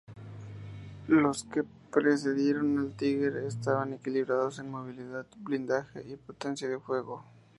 Los que precedieron al Tiger estaban equilibrados en movilidad, blindaje y potencia de fuego.